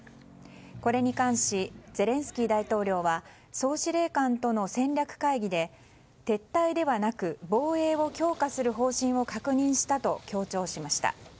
これに関しゼレンスキー大統領は総司令官との戦略会議で撤退ではなく防衛を強化する方針を強調しました。